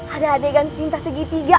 ada adegan cinta segitiga